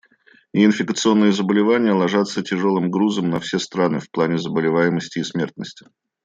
Неинфекционные заболевания ложатся тяжелым грузом на все страны в плане заболеваемости и смертности.